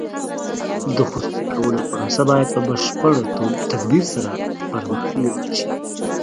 د خصوصي کولو پروسه باید په بشپړ تدبیر سره پرمخ یوړل شي.